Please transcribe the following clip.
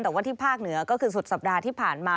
แต่ว่าที่ภาคเหนือก็คือสุดสัปดาห์ที่ผ่านมา